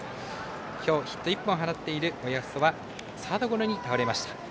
今日、ヒット１本放っている親富祖はサードゴロに倒れました。